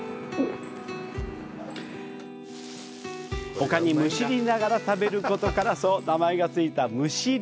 ほかに、むしりながら食べることから名前がついた「むしり」。